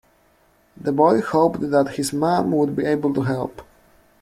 The boy hoped that his mum would be able to help